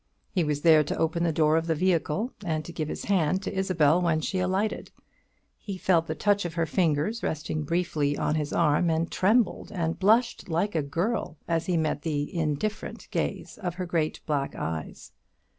He was there to open the door of the vehicle, and to give his hand to Isabel when she alighted. He felt the touch of her fingers resting briefly on his arm, and trembled and blushed like a girl as he met the indifferent gaze of her great black eyes.